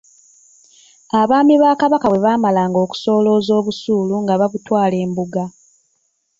Abaami ba Kabaka bwe baamalanga okusolooza obusuulu nga babutwala embuga.